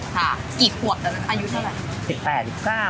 ค่ะกี่ขวดอายุเท่าไร